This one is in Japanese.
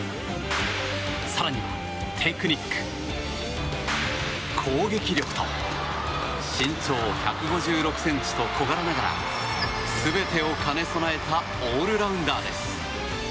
更にはテクニック、攻撃力と身長１５６ｃｍと小柄ながら全てを兼ね備えたオールラウンダーです。